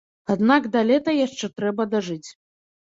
Аднак да лета яшчэ трэба дажыць.